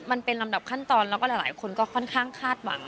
มันเป็นลำดับขั้นตอนแล้วก็หลายคนก็ค่อนข้างคาดหวัง